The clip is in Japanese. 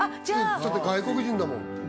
そっか外国人だもん